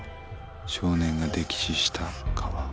少年が溺死した川。